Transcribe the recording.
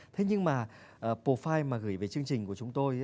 thế nhưng mà profile mà gửi về chương trình của chúng tôi